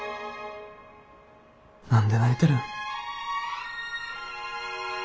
何で泣いてるん？